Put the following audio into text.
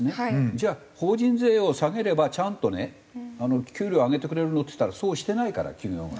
じゃあ法人税を下げればちゃんとね給料上げてくれるの？っていったらそうしてないから企業が。